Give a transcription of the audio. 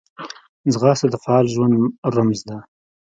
ځغاسته د فعال ژوند رمز ده